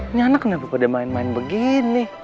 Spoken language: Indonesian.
ini anak kenapa pada main main begini